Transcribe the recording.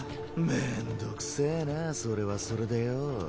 めんどくせぇなそれはそれでよぉ。